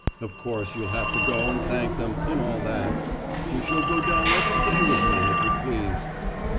Of course you'll have to go and thank them, and all that. You shall go down every day with me, if you please."